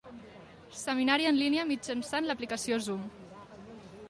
Seminari en línia mitjançant l'aplicació Zoom.